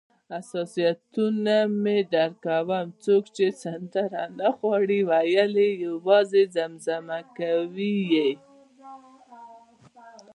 حساسیتونه مې درک کوم، څوک چې سندره نه غواړي ویلای، یوازې زمزمه کوي یې.